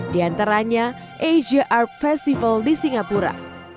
di antaranya asia art festival di singapura